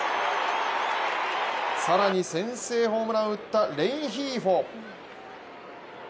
更に先制ホームランを打ったレンヒーフォ。